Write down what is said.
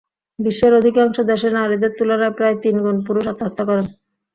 বিশ্বের অধিকাংশ দেশে নারীদের তুলনায় প্রায় তিন গুণ পুরুষ আত্মহত্যা করেন।